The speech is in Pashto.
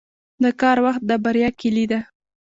• د کار وخت د بریا کلي ده.